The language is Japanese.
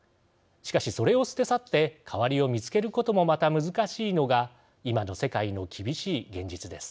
しかし、それを捨て去って代わりを見つけることもまた難しいのが今の世界の厳しい現実です。